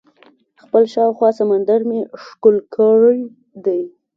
خپل شاوخوا سمندر مې ښکل کړی دئ.